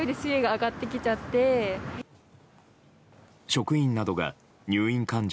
職員などが入院患者